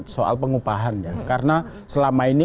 soal pengupahan ya karena selama ini